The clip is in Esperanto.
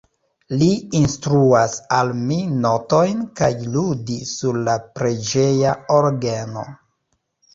Li instruas al mi notojn kaj ludi sur la preĝeja orgeno.